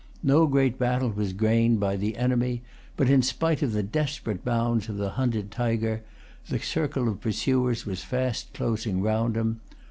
No great battle was gained by the enemy; but, in spite of the desperate bounds of the hunted tiger, the circle of pursuers was fast closing round him.